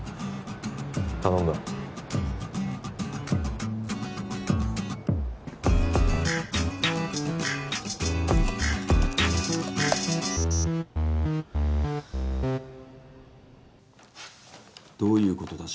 頼んだどういうことだ？